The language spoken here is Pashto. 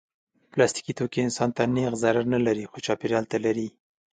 پلاستيکي توکي انسان ته نېغ ضرر نه لري، خو چاپېریال ته لري.